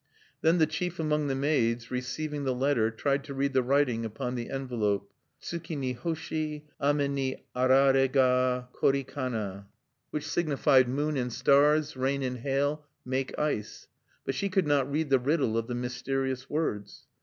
Then the chief among the maids, receiving the letter, tried to read the writing upon the envelope: "Tsuki ni hoshi ame ni arare ga kori kana," Which signified, "Moon and stars rain and hail make ice." But she could not read the riddle of the mysterious words.